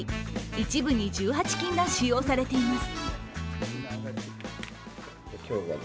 一部に１８金が使用されています。